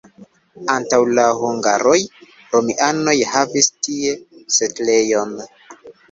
Antaŭ la hungaroj romianoj havis tie setlejon.